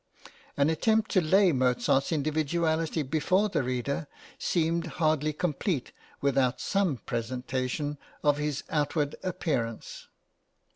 An attempt to lay Mozart's individuality before the reader seemed hardly complete without some presentation of his outward appearance.